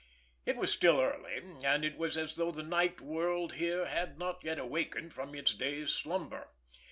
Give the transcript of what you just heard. It was still early; and it was as though the night world here had not yet awakened from its day's slumber.